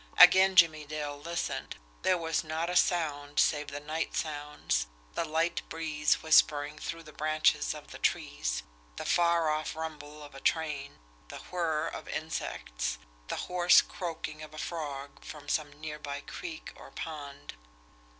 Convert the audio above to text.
Again Jimmie Dale listened. There was not a sound save the night sounds the light breeze whispering through the branches of the trees; the far off rumble of a train; the whir of insects; the hoarse croaking of a frog from some near by creek or pond.